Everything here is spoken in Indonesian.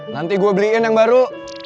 nanti gue beliin yang baru